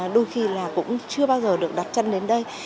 đôi khi là cũng chưa bao giờ được đặt chân đến đây